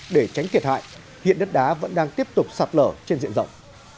để tránh kiệt hại hiện đất đá vẫn đang tiếp tục sạt lở trên diện rộng